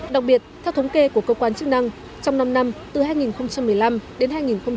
đặc biệt theo thống kê của cơ quan chức năng trong năm năm từ hai nghìn một mươi năm đến hai nghìn hai mươi